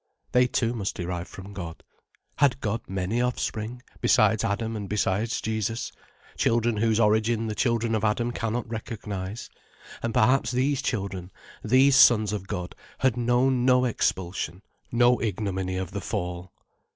They too must derive from God. Had God many offspring, besides Adam and besides Jesus, children whose origin the children of Adam cannot recognize? And perhaps these children, these sons of God, had known no expulsion, no ignominy of the fall.